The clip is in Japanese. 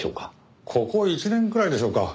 ここ１年くらいでしょうか。